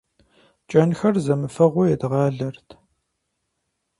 КӀэнхэр зэмыфэгъуу едгъалэрт.